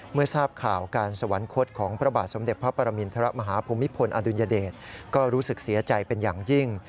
เมื่อทราบข่าวการสวรรคตของพระบาทสมเด็จพระปรมินทรมาฮภูมิพลอดุลยเดชก็รู้สึกเสียใจเป็นอย่างยิ่ง